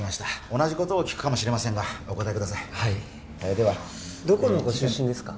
同じことを聞くかもしれませんがお答えくださいではどこのご出身ですか？